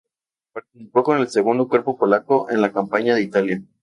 Participó con el Segundo Cuerpo Polaco en la Campaña de Italia.